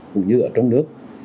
cũng như ở trong nước